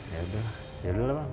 ya udah lah